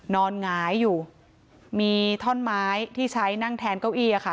หงายอยู่มีท่อนไม้ที่ใช้นั่งแทนเก้าอี้ค่ะ